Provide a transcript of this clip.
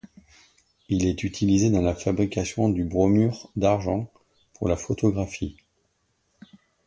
Il est utilisé dans la fabrication du bromure d'argent pour la photographie.